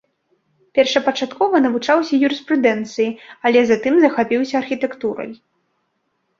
Першапачаткова навучаўся юрыспрудэнцыі, але затым захапіўся архітэктурай.